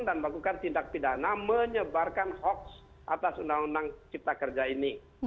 dan melakukan tindak pidana menyebarkan hoax atas undang undang cipta kerja ini